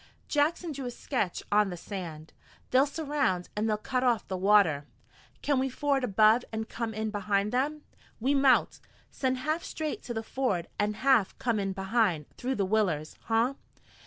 Jackson drew a sketch on the sand. "They'll surround, an' they'll cut off the water." "Can we ford above and come in behind them?" "We mout. Send half straight to the ford an' half come in behind, through the willers, huh?